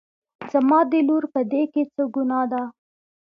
زما د لور په دې کې څه ګناه ده